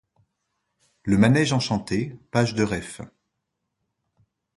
Le Manège Enchanté page de ref.